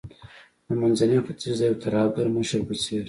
د منځني ختیځ د یو ترهګر مشر په څیر